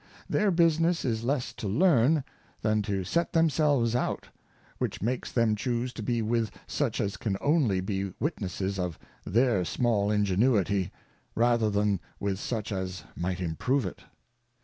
Their business is less to learn, than to set themselves out ; which makes them chuse to be with such as can only be Witnesses of their small Ingenuity, rather than with such as might improve it.